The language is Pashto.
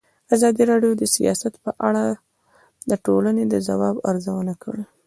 ازادي راډیو د سیاست په اړه د ټولنې د ځواب ارزونه کړې.